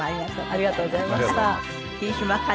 ありがとうございます。